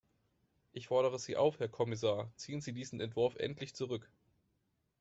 Ich fordere Sie auf, Herr Kommissar, ziehen Sie diesen Entwurf endlich zurück!